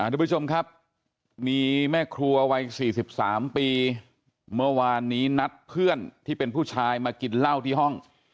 ทุกผู้ชมครับมีแม่ครัววัย๔๓ปีเมื่อวานนี้นัดเพื่อนที่เป็นผู้ชายมากินเหล้าที่ห้อง